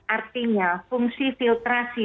artinya fungsi filtrasi